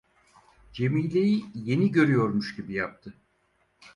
Cemile'yi yeni görüyormuş gibi yaptı.